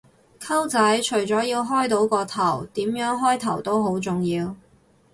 溝仔，除咗要開到個頭，點樣開頭都好重要